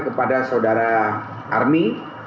kepada saudara army